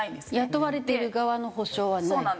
雇われている側の補償はない。